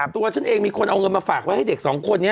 ตัวฉันเองมีคนเอาเงินมาฝากไว้ให้เด็กสองคนนี้